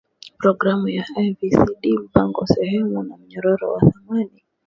Programu ya AVCD mpango Sehemu ya Mnyororo wa Thamani ya Mifugo Nairobi Kenya ILRI